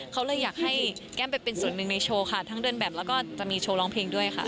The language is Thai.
เขาเลยอยากให้แก้มไปเป็นส่วนหนึ่งในโชว์ค่ะทั้งเดินแบบแล้วก็จะมีโชว์ร้องเพลงด้วยค่ะ